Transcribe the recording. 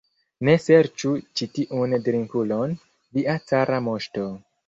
Ne serĉu ĉi tiun drinkulon, via cara moŝto!